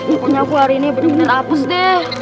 akhirnya aku hari ini bener bener hapus deh